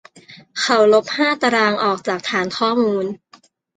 เขาลบห้าตารางออกมาฐานข้อมูล